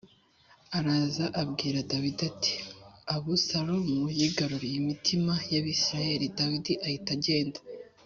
Araza abwira dawidi ati abusalomu yigaruriye imitima y abisirayeli dawidi ahita agenda